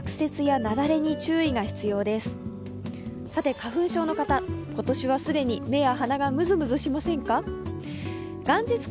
花粉症の方、今年は既に目や鼻がムズムズしませんか？